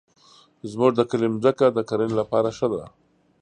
زمونږ د کلي مځکه د کرنې لپاره ښه ده.